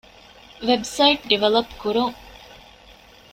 ވެބްސައިޓް ޑިވެލޮޕް ކުރުން